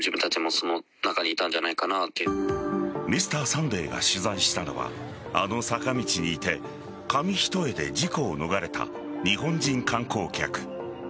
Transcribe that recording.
「Ｍｒ．サンデー」が取材したのはあの坂道にいて紙一重で事故を逃れた日本人観光客。